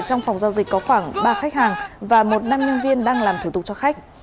trong phòng giao dịch có khoảng ba khách hàng và một nam nhân viên đang làm thủ tục cho khách